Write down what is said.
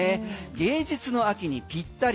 芸術の秋にぴったり。